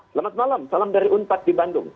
selamat malam salam dari unpad di bandung